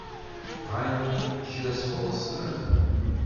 Bɣan kra sɣur-sen?